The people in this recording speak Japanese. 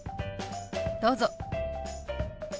どうぞ。